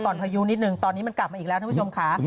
พายุนิดนึงตอนนี้มันกลับมาอีกแล้วท่านผู้ชมค่ะ